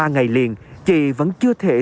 ba ngày liền chị vẫn chưa thể